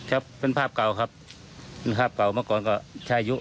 ครับเป็นภาพเก่าครับเป็นภาพเก่าเมื่อก่อนก็ใช่อายุ